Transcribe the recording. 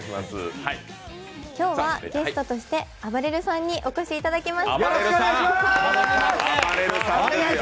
今日はゲストとしてあばれるさんにお越しいただきました。